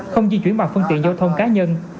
không di chuyển bằng phương tiện giao thông cá nhân